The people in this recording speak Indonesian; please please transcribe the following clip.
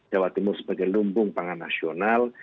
jawa timur sebagai lumbung pangan nasional